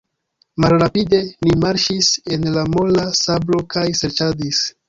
Malrapide ni marŝis en la mola sablo kaj serĉadis.